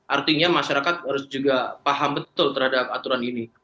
artinya masyarakat harus juga paham betul terhadap aturan ini